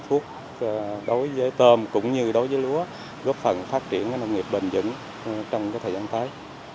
thuốc đối với tôm cũng như đối với lúa góp phần phát triển nông nghiệp bền dững trong thời gian tới